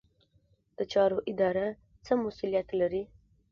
د چارو اداره څه مسوولیت لري؟